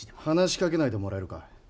話しかけないでもらえるか。